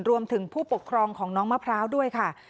รวมถึงผู้ปกครองของน้องมะพร้าวด้วยค่ะ